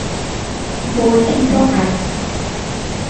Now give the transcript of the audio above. ক. বর্ধিত আয়